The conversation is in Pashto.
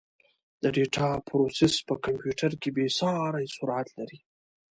د ډیټا پروسس په کمپیوټر کې بېساري سرعت لري.